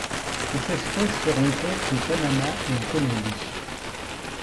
Cette espèce se rencontre au Panama et en Colombie.